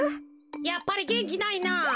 やっぱりげんきないな。